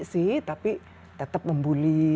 sih tapi tetap membuli